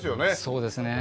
そうですね。